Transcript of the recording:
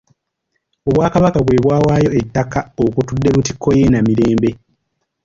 Obwakabaka bwe bwawaayo ettaka okutudde Lutikko y'e Namirembe.